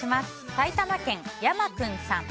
埼玉県の方。